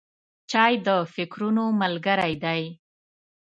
چای د فکرونو ملګری دی.